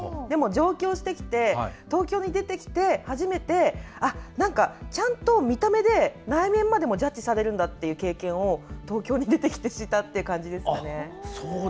でも上京してきて東京に出てきて初めて、ちゃんと見た目で内面までもジャッジされるんだという経験を東京に出てきてしたという感じですかね。